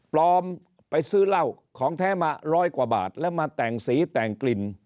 ปลอมไปซื้อเหล้าของแท้มาร้อยกว่าบาทแล้วมาแต่งสีแต่งกลิ่น